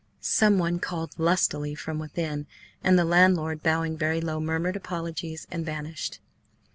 Someone called lustily from within, and the landlord, bowing very low, murmured apologies and vanished.